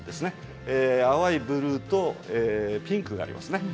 淡いブルーとピンクがありますね。